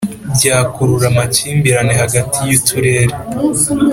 byakurura amakimbirane hagati y' uturere.